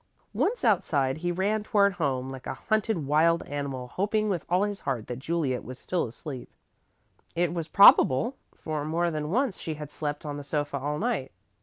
Once outside, he ran toward home like a hunted wild animal, hoping with all his heart that Juliet was still asleep. It was probable, for more than once she had slept on the sofa all night.